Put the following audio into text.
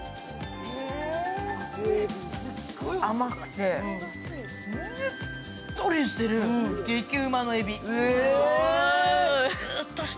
甘くて、ねっとりしてる、激うまのえび。